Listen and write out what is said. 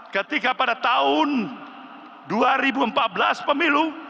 ketika pada tahun dua ribu empat belas pemilu